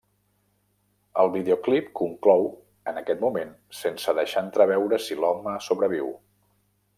El videoclip conclou en aquest moment sense deixar entreveure si l'home sobreviu.